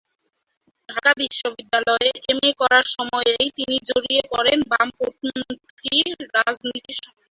ঢাকা বিশ্ববিদ্যালয়ে এমএ করার সময়েই তিনি জড়িয়ে পড়েন বামপন্থী রাজনীতির সঙ্গে।